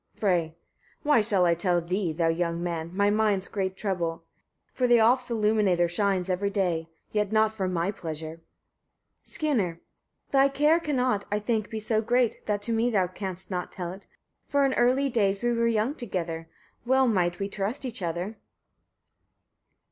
Frey. 4. Why shall I tell thee, thou young man, my mind's great trouble? for the Alfs' illuminator shines every day, yet not for my pleasure. Skirnir. 5. Thy care cannot, I think, be so great, that to me thou canst not tell it; for in early days we were young together: well might we trust each other.